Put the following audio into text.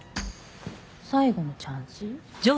最後のチャンス？